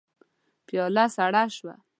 پياله سړه شوه.